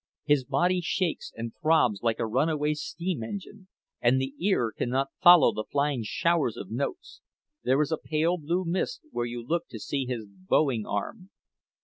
His body shakes and throbs like a runaway steam engine, and the ear cannot follow the flying showers of notes—there is a pale blue mist where you look to see his bowing arm.